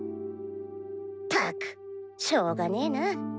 ったくしょうがねぇな。